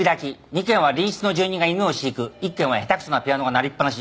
２軒は隣室の住人が犬を飼育１軒は下手くそなピアノが鳴りっぱなし。